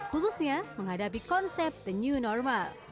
khususnya menghadapi konsep the new normal